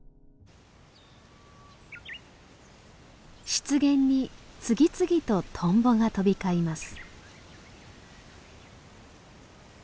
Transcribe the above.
湿原に次々とトンボが飛び交います。